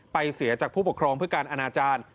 เสียจากผู้ปกครองเพื่อการอนาจารย์